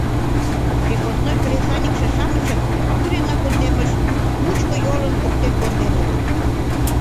Крепостной кресаньыкше-шамычым Юрино кундемыш мучко йолын поктен конденыт.